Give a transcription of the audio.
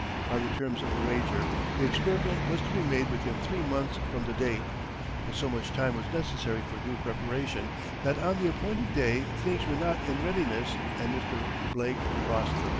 By the terms of the wager, the experiment was to be made within three months from the date; but so much time was necessary for due preparation, that on the appointed day things were not in readiness and Mr. Blake lost the bett.